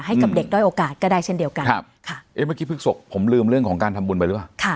ให้กับเด็กด้อยโอกาสก็ได้เช่นเดียวกันครับค่ะเอ๊ะเมื่อกี้พฤกษกผมลืมเรื่องของการทำบุญไปหรือเปล่า